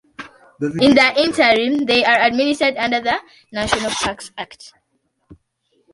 In the interim, they are administered under the "National Parks Act".